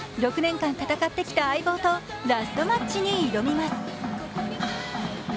６年間戦ってきた相棒とラストマッチに挑みます。